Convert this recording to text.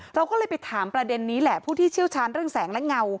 เราก็เลยไปถามประเด็นนี้แหละผู้ที่เชี่ยวชาญเรื่องแสงและเงา